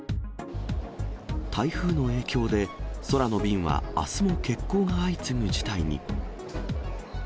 台風の影響で、空の便はあすも欠航が相次ぐ事態に。